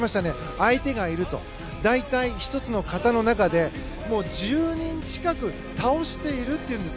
相手がいると大体、１つの形の中で１０人近く倒しているって言うんです。